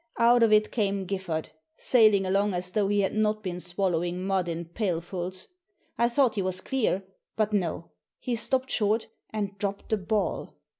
Out of it came Giffard, sailing along as though he had not been swallowing mud in pailfuls. I thought he was clear — ^but no! He stopped short, and dropped the ball!